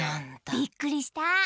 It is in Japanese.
びっくりした。